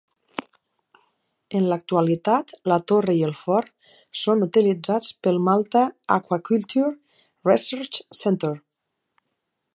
En l'actualitat, la torre i el fort són utilitzats pel Malta Aquaculture Research Centre